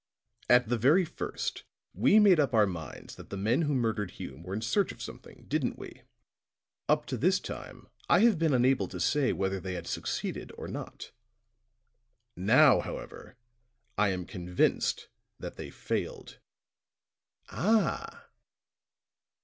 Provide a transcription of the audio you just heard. "At the very first we made up our minds that the men who murdered Hume were in search of something, didn't we? Up to this time I have been unable to say whether they had succeeded or not. Now, however, I am convinced that they failed." "Ah!"